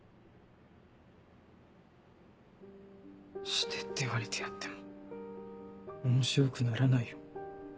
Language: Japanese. してって言われてやっても面白くならないよ。